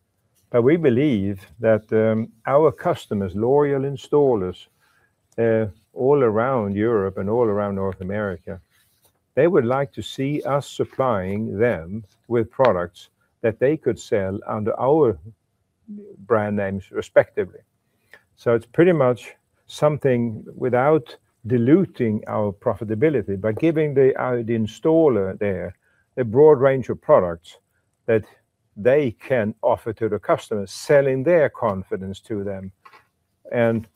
We believe that our customers, loyal installers all around Europe and all around North America, they would like to see us supplying them with products that they could sell under our brand names respectively. It's pretty much something without diluting our profitability by giving the installer there a broad range of products that they can offer to the customers, selling their confidence to them, and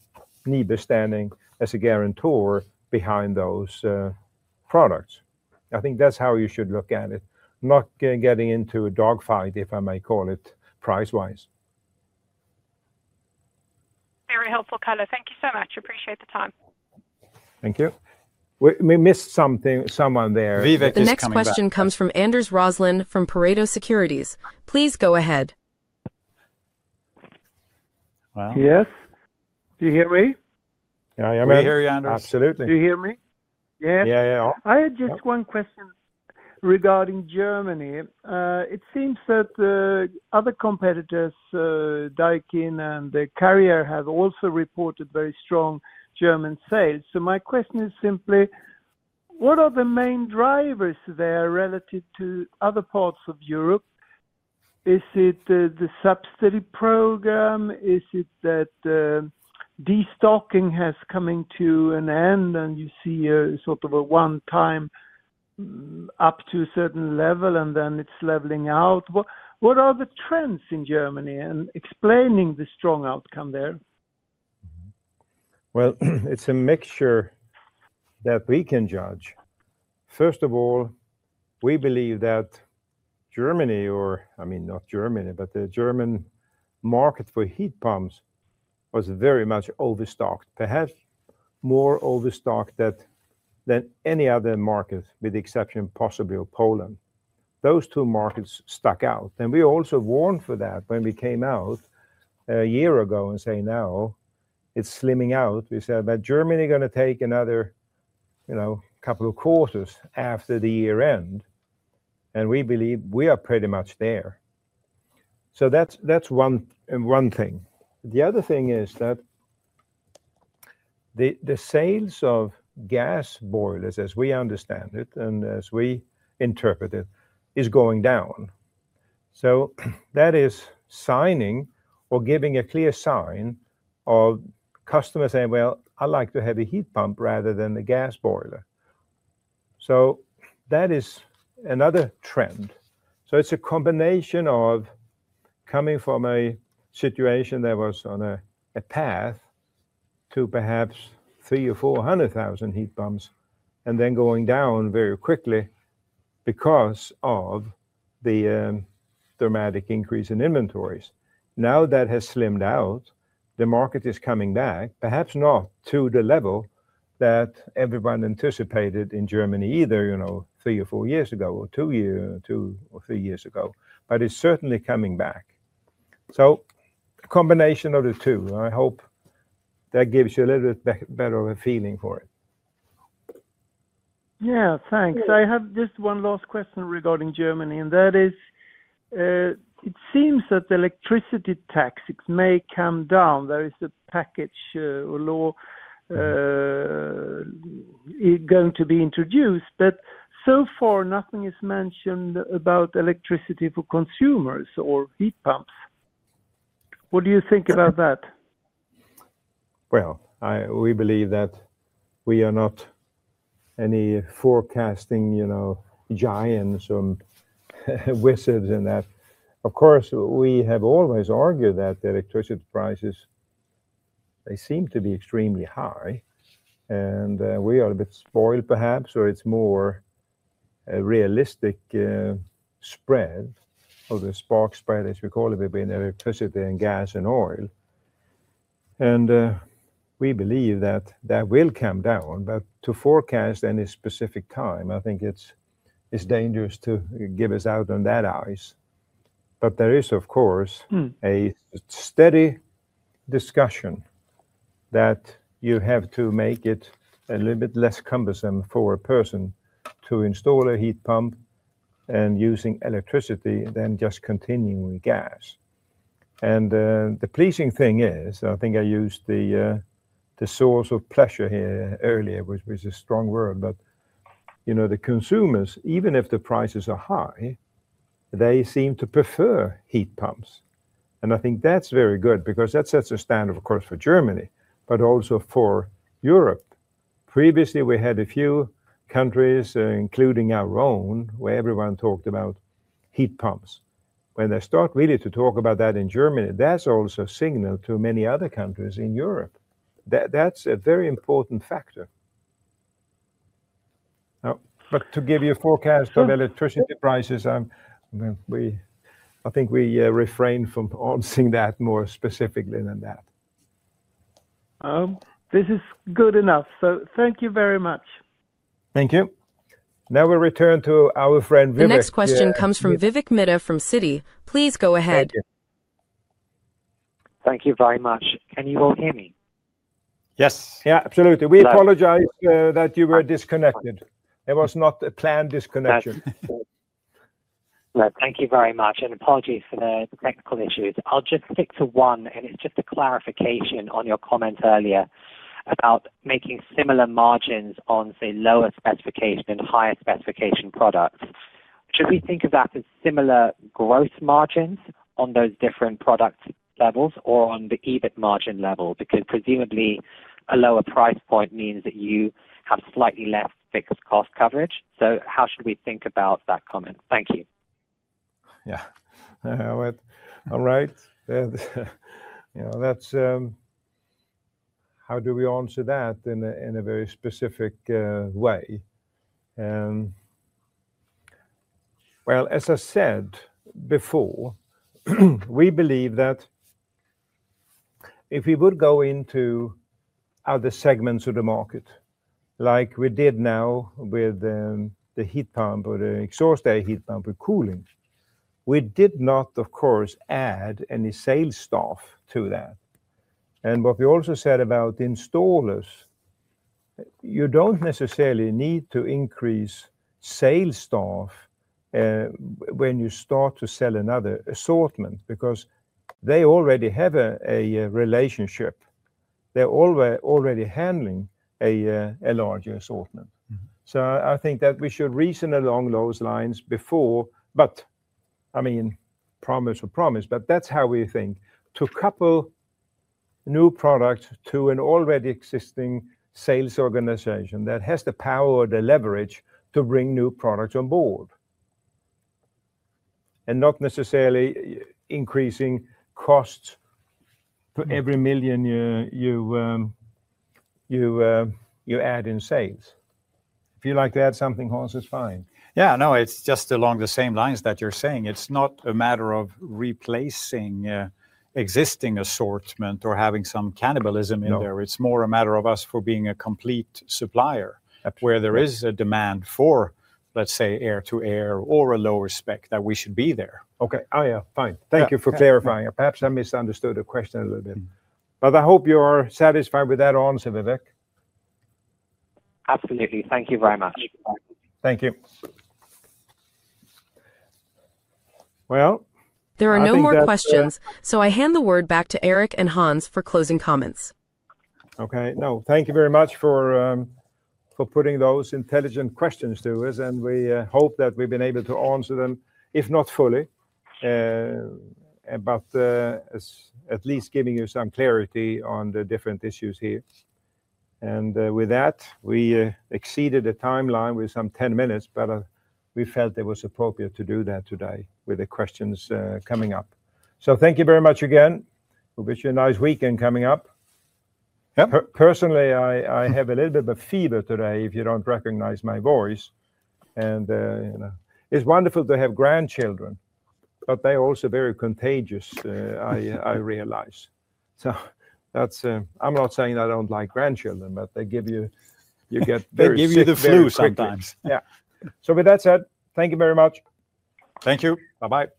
NIBE standing as a guarantor behind those products. I think that's how you should look at it, not getting into a dog fight, if I may call it, price wise. Very helpful, Carl. Thank you so much. Appreciate the time. Thank you. We missed something, someone there. The next question comes from Anders Roslund from Pareto Securities. Please go ahead. Yes, do you hear me? Can I hear you, Anders? Absolutely. Do you hear me? Yeah. I had just one question regarding Germany. It seems that other competitors, Daikin and Carrier, have also reported very strong German sales. My question is simply what are the main drivers there relative to other parts of Europe? Is it the subsidy program, is it that destocking has come to an end and you see a sort of a one-time up to a certain level and then it's leveling out? What are the trends in Germany explaining the strong outcome there? It's a mixture that we can judge. First of all, we believe that Germany, or I mean not Germany, but the German market for heat pumps was very much overstocked, perhaps more overstocked than any other market, with the exception possibly of Poland. Those two markets stuck out. We also warned for that when we came out a year ago and say now it's slimming out. We said that Germany is going to take another couple of quarters after the year end. We believe we are pretty much there. That's one thing. The other thing is that the sales of gas boilers as we understand it and as we interpret it, is going down. That is giving a clear sign of customers saying, I like to have a heat pump rather than the gas boiler. That is another trend. It's a combination of coming from a situation that was on a path to perhaps 300,000 or 400,000 heat pumps and then going down very quickly because of the dramatic increase in inventories. Now that has slimmed out. The market is coming back, perhaps not to the level that everyone anticipated in Germany either, you know, three or four years ago or two or three years ago, but it's certainly coming back. It's a combination of the two. I hope that gives you a little bit better of a feeling for it. Yeah, thanks. I have just one last question regarding Germany, and that is it seems that electricity taxes may come down there. Is the package or law going to be introduced, but so far nothing is mentioned about electricity for consumers or heat pumps. What do you think about that? We believe that we are not any forecasting giants or wizards and that of course we have always argued that the electricity prices, they seem to be extremely high and we are a bit spoiled perhaps, or it's more a realistic spread of the spark spread as we call it, between electricity and gas and oil. We believe that that will come down. To forecast any specific time, I think it is dangerous to get us out on that ice. There is of course a steady discussion that you have to make it a little bit less cumbersome for a person to install a heat pump and using electricity than just continuing gas. The pleasing thing is I think I used the source of pleasure here earlier, which was a strong word. The consumers, even if the prices are high, they seem to prefer heat pumps. I think that's very good because that sets a standard, of course for Germany, but also for Europe. Previously we had a few countries, including our own, where everyone talked about heat pumps. When they start really to talk about that in Germany, that's also a signal to many other countries in Europe, that's a very important factor. To give you a forecast of electricity prices, I think we refrain from answering that more specifically than that. This is good enough. Thank you very much. Thank you. Now we return to our friend. The next question comes from Vivek Midha from Citi. Please go ahead. Thank you very much. Can you all hear me? Yes, absolutely. We apologize that you were disconnected. It was not a planned disconnection. Thank you very much and apologies for the technical issues. I'll just stick to one. It's just a clarification on your comment earlier about making similar margins on, say, lower specification and higher specification products. Should we think about similar gross margins on those different product levels or on the EBIT margin level? Presumably, a lower price point means that you have slightly less fixed cost coverage. How should we think about that comment? Thank you. All right, how do we answer that in a very specific way? As I said before, we believe that if you would go into other segments of the market like we did now with the heat pump or the exhaust air heat pump with cooling, we did not, of course, add any sales staff to that. What we also said about installers, you don't necessarily need to increase sales staff when you start to sell another assortment because they already have a relationship, they're already handling a larger assortment. I think that we should reason along those lines before. I mean, promise of promise, but that's how we think to couple new products to an already existing sales organization that has the power, the leverage to bring new products on board and not necessarily increasing costs for every million you add in sales. If you like to add something, Hans is fine. Yeah. No, it's just along the same lines that you're saying. It's not a matter of replacing existing assortment or having some cannibalism in there. It's more a matter of us being a complete supplier where there is a demand for, let's say, air to air or a lower spec that we should be there. Okay. Thank you for clarifying. Perhaps I misunderstood the question a little bit, but I hope you are satisfied with that answer, Vivek. Absolutely. Thank you very much. Thank you. There are no more questions, so I hand the word back to Gerteric and Hans for closing comments. Thank you very much for putting those intelligent questions to us. We hope that we've been able to answer them, if not fully, at least giving you some clarity on the different issues here. With that, we exceeded the timeline by some 10 minutes, but we felt it was appropriate to do that today with the questions coming up. Thank you very much again. We wish you a nice weekend coming up. Personally, I have a little bit of a fever today if you don't recognize my voice. You know, it's wonderful to have grandchildren, but they're also very contagious. I realize. I'm not saying I don't like grandchildren, but they give you, you. Give you the flu sometimes. Yeah, with that said, thank you very much. Thank you. Bye. Bye. Bye.